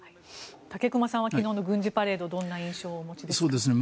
武隈さんは昨日の軍事パレードにどんな印象をお持ちですか。